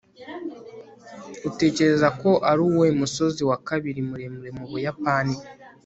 utekereza ko ari uwuhe musozi wa kabiri muremure mu buyapani